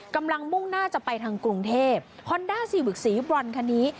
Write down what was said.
กำลังมุ่งหน้าจะไปทางกรุงเทพฯฮอนดาสี่บึกสีบรอนคันนี้